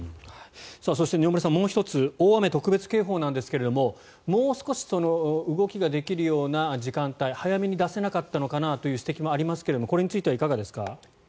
そして饒村さん、もう１つ大雨特別警報なんですがもう少し動きができるような時間帯早めに出せなかったのかなという指摘もありましたがこれについてはいかがですか。